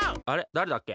だれだっけ？